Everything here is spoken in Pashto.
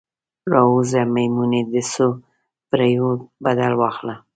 راووځه میمونۍ، د څوپیړیو بدل واخله